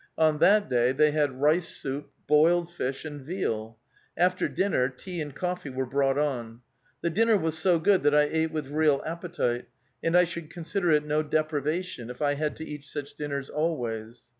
On that day they had rice soup, boiled fish, and veal. After dinner, tea and coffee were brought on. The dinner was so good that I ate with real appetite, and I should consider it no deprivation if I had to eat such dinners always.